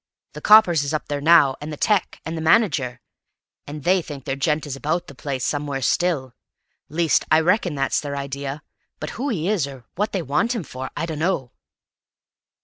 The coppers is up there now, and the tec, and the manager, and they think their gent is about the place somewhere still. Least, I reckon that's their idea; but who he is, or what they want him for, I dunno."